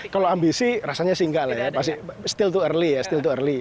kalau ambisi rasanya single ya still too early